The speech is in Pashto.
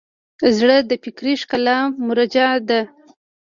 زړه د فکري ښکلا مرجع ده.